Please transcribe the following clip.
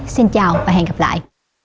xin chào và hẹn gặp lại